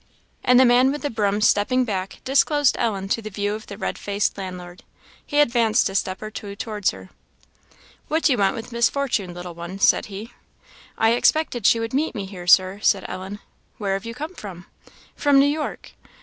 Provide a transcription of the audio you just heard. And the man with the broom stepping back, disclosed Ellen to the view of the red faced landlord. He advanced a step or two towards her. "What do you want with Miss Fortune, little one?" said he. "I expected she would meet me here, Sir," said Ellen "Where have you come from?" "From New York."